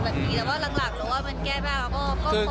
แต่ว่าหลังรู้ว่ามันแก้แบบก็ปล่อย